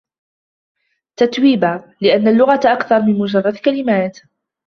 تتويبا: لأن اللغة أكثر من مجرد كلمات.